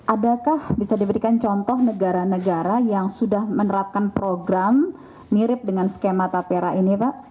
adakah bisa diberikan contoh negara negara yang sudah menerapkan program mirip dengan skema tapera ini pak